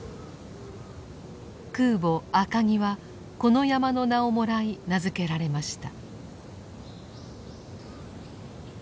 空母「赤城」はこの山の名をもらい名付けられました。